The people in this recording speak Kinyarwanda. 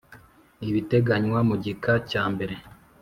Ibiteganywa mu gika cya mbere